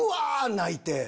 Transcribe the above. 泣いて。